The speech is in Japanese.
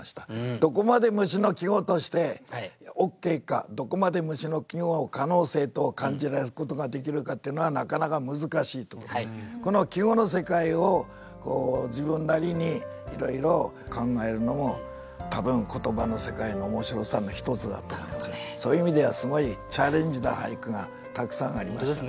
どこまで「虫」の季語としてＯＫかどこまで「虫」の季語を可能性と感じられることができるかっていうのはなかなか難しいところでこの季語の世界を自分なりにいろいろ考えるのも多分そういう意味ではすごいチャレンジな俳句がたくさんありましたのでね